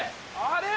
あれ？